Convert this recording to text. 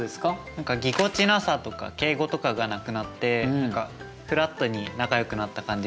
何かぎこちなさとか敬語とかがなくなって何かフラットに仲よくなった感じがします。